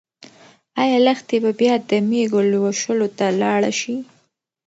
ايا لښتې به بیا د مېږو لوشلو ته لاړه شي؟